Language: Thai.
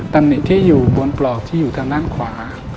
ตำหนิที่อยู่บนปลอกที่อยู่ทางด้านขวา